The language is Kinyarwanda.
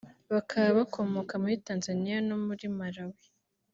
bakaba bakomoka muri Tanzania no muri Malawi